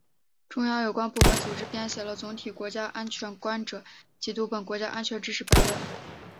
中央有关部门组织编写了总体国家安全观普及读本——《国家安全知识百问》